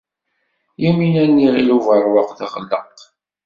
Yamina n Yiɣil Ubeṛwaq teɣleq.